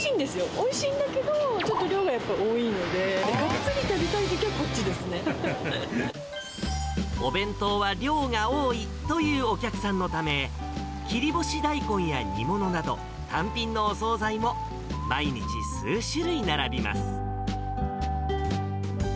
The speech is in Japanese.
おいしいんだけど、ちょっと量がやっぱり多いので、がっつり食べたいときはこっちでお弁当は量が多いというお客さんのため、切り干し大根や煮物など、単品のお総菜も毎日、数種類並びます。